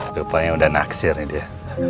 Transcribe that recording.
lupa yang udah naksir nih dia